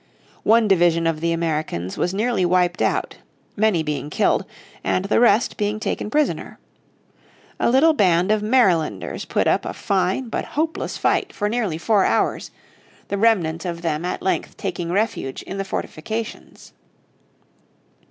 One division of the Americans was nearly wiped out, many being killed and the rest being taken prisoner. A little band of Marylanders put up a fine but hopeless fight for nearly four hours, the remnant of them at length taking refuge in the fortifications.